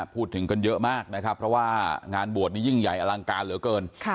พูดถึงกันเยอะมากนะครับเพราะว่างานบวชนี้ยิ่งใหญ่อลังการเหลือเกิน